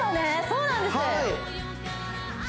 そうなんです